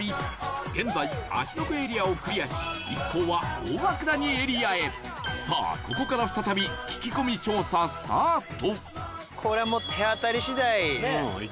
現在、芦ノ湖エリアをクリアし一行は大涌谷エリアへさあ、ここから再び、聞き込み調査スタートウエンツ：手当たりしだい。